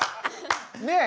ねえ！